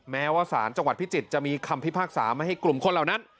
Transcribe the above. แม้ว่าสารจังหวัดพิจิตรจะมีคำพิพากษาไม่ให้กลุ่มคนเหล่านั้น